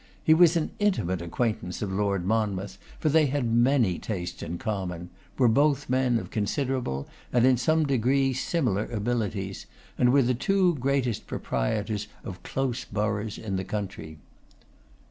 He was an intimate acquaintance of Lord Monmouth, for they had many tastes in common; were both men of considerable, and in some degree similar abilities; and were the two greatest proprietors of close boroughs in the country.